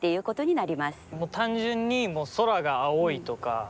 単純にもう「空が青い」とか。